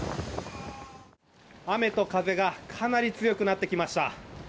雨と風がかなり強くなってきました。